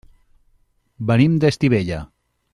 Venim d'Estivella.